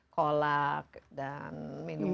kolak dan minuman manis